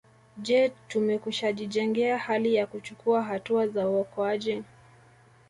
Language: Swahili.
Je tumekwishajijengea hali ya kuchukua hatua za uokoaji